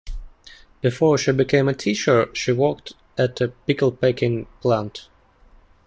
Before she became a teacher, she worked at a pickle-packing plant.